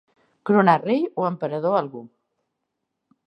Coronar rei o emperador algú.